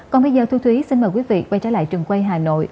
còn bây giờ thu thúy xin mời quý vị quay trở lại trường quay hà nội